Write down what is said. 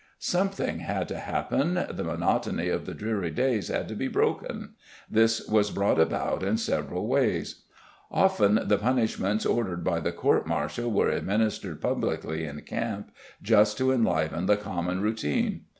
Something had to happen, the monotony of the dreary days had to be broken. This was brought about in several ways. Often the punishments ordered by the court martial were administered publicly in camp just to enliven the common routine.